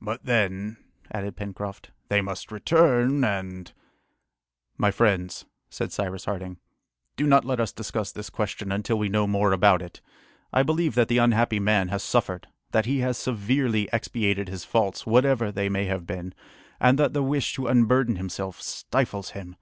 "But then," added Pencroft, "they must return, and " "My friends," said Cyrus Harding, "do not let us discuss this question until we know more about it. I believe that the unhappy man has suffered, that he has severely expiated his faults, whatever they may have been, and that the wish to unburden himself stifles him.